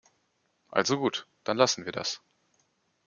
Also gut, dann lassen wir das.